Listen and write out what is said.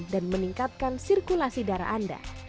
dan meningkatkan sirkulasi darah anda